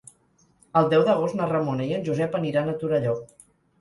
El deu d'agost na Ramona i en Josep aniran a Torelló.